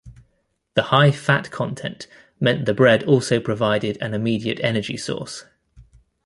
The high fat content meant the bread also provided an immediate energy source.